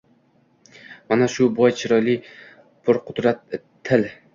Mana shu boy, chiroyli, purqudrat til.